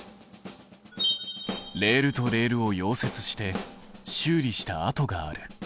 レールとレールを溶接して修理したあとがある。